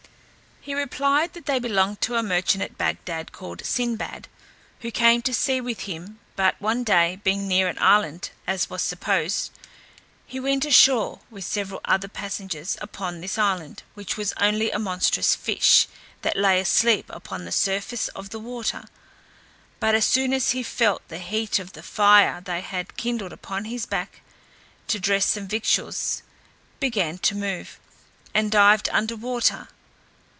He replied, that they belonged to a merchant at Bagdad, called Sinbad, who came to sea with him; but one day, being near an island, as was supposed, he went ashore, with several other passengers, upon this island, which was only a monstrous fish, that lay asleep upon the the sur face of the water: but as soon as he felt the heat of the fire they had kindled upon his back, to dress some victuals, began to move, and dived under water.